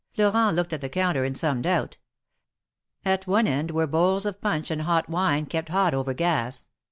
Florent looked at the counter in some doubt. At one end were bowls of punch and hot wine ke])t hot over gas.